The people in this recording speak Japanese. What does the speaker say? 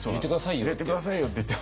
「入れて下さいよ」って言っても。